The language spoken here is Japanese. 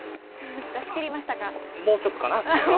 もうちょっとかな。